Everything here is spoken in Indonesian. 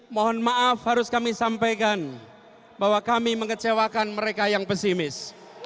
mohon maaf harus kami sampaikan bahwa kami mengecewakan mereka yang pesimis